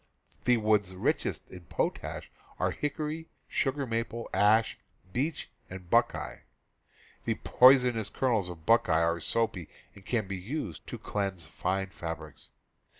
The woods richest in potash are hick ^'^* ory, sugar maple, ash, beech and buck eye. The poisonous kernels of buckeye are soapy and can be used to cleanse fine fabrics.